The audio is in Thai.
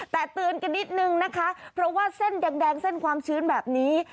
แต่เตือนกันนิดนึงนะคะเพราะว่าเส้นแดงเส้นความชื้นแบบนี้